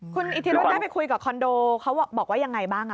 คุณอิทธิรุธได้ไปคุยกับคอนโดเขาบอกว่ายังไงบ้าง